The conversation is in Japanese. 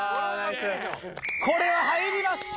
これは入りました！